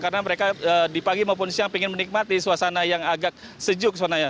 karena mereka di pagi maupun siang ingin menikmati suasana yang agak sejuk